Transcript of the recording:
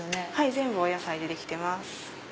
全部お野菜でできてます。